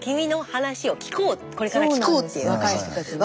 若い人たちのね。